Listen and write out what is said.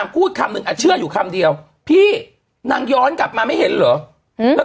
พูดคำหนึ่งเชื่ออยู่คำเดียวพี่นางย้อนกลับมาไม่เห็นเหรอ